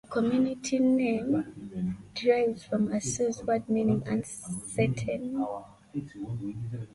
The community name derives from a Sioux word meaning "uncertain".